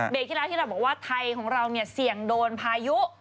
เด็กที่เราบอกว่าไทยของเราเสี่ยงโดนพายุ๔ลูก